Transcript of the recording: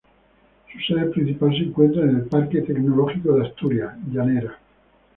Su sede principal se encuentra en el Parque Tecnológico de Asturias, Llanera.